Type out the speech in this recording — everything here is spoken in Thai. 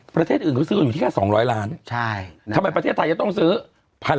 ประเทศอื่นเขาซื้อกันอยู่ที่แค่๒๐๐ล้านทำไมประเทศไทยจะต้องซื้อ